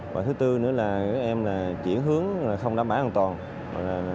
và thứ tư nữa là các em là chuyển hướng không đảm bảo an toàn